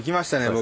僕。